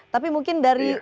tapi mungkin dari kesaksian